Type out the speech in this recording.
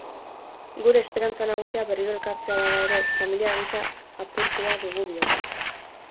Gure esperantza nagusia berriro elkartzea bada ere, familia gisa apurtua dugu bihotza.